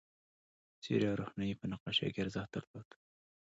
سیوری او روښنايي په نقاشۍ کې ارزښت درلود.